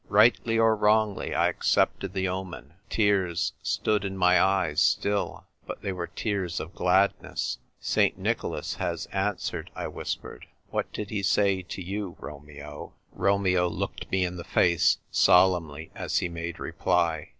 Rightly or wrongly, I ac cepted the omen. Tears stood in my eyes still, but they were tears of gladness. "St. 222 THE TYPE WRITER GIRL. Nicholas has answered," I whispered. "Wliat did he say to you, Romeo ?" Romeo looked me in the face solemnly as he made reply.